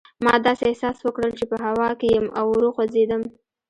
ما داسې احساس وکړل چې په هوا کې یم او ورو خوځېدم.